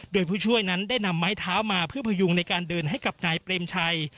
โดยผู้ช่วยนั้นได้นำไม้เท้ามาเพื่อพยุงในการเดินให้กับนายเปรมชัย